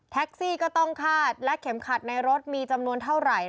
ซี่ก็ต้องคาดและเข็มขัดในรถมีจำนวนเท่าไหร่